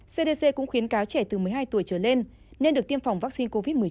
cdc cũng khuyến cáo trẻ từ một mươi hai tuổi trở lên nên được tiêm phòng vaccine covid một mươi chín